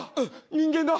人間だ。